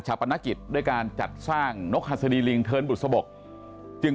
ชะปณคิตด้วยการจัดสร้างนกหัสดีลิงทื้อนบุศบกจึง